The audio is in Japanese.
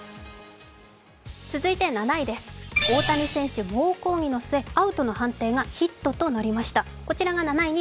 続いて７位、大谷選手、もう抗議の末、アウトの判定がヒットとなりました。